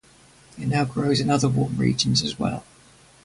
It now grows in other warm regions, as well.